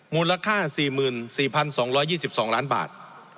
มูลค่า๔๔๒๒ล้านบาท